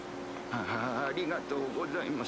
ハハありがとうございます。